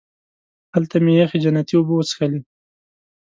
هلته مې یخې جنتي اوبه وڅښلې.